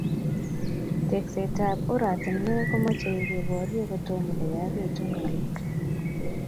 Teksetab oratinwek komochei keborie kotomo koyachikitu ngalek